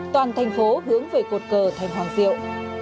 toàn thành phố hướng về cột cờ thành hoàng diệu